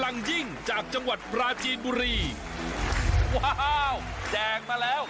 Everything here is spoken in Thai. ทั้งหมูปัวกเลยวันนี้